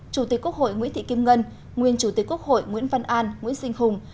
chủ tịch quốc hội nguyễn thị kim ngân nguyên chủ tịch quốc hội nguyễn văn an nguyễn sinh hùng